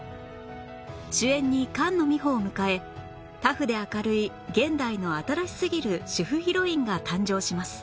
主演に菅野美穂を迎えタフで明るい現代の新しすぎる主婦ヒロインが誕生します